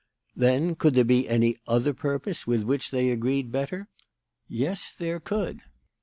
"Then, could there be any other purpose with which they agreed better? Yes, there could.